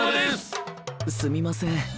すみません